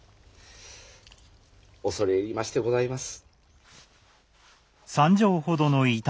恐れ入りましてございます。